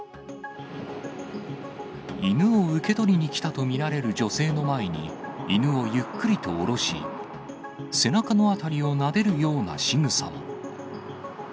犬を受け取りにきたと見られる女性の前に、犬をゆっくりと下ろし、背中の辺りをなでるようなしぐさも。